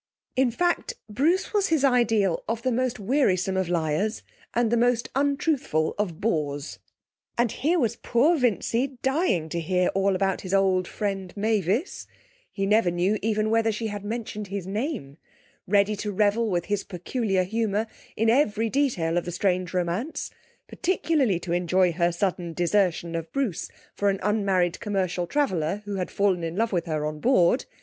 In fact, Bruce was his ideal of the most wearisome of liars and the most untruthful of bores; and here was poor Vincy dying to hear all about his old friend, Mavis (he never knew even whether she had mentioned his name), ready to revel, with his peculiar humour, in every detail of the strange romance, particularly to enjoy her sudden desertion of Bruce for an unmarried commercial traveller who had fallen in love with her on board.